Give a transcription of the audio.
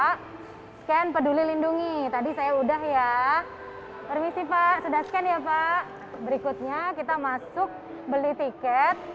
pak scan peduli lindungi tadi saya udah ya permisi pak sudah scan ya pak berikutnya kita masuk beli tiket